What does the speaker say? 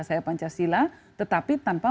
saya pancasila tetapi tanpa